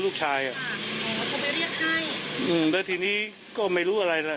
ค่ะค่ะค่ะ